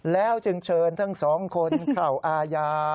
แล้วจึงเชิญทั้งสองคนเข้าอาญา